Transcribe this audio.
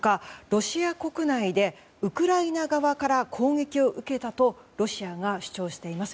ロシア国内でウクライナ側から攻撃を受けたとロシアが主張しています。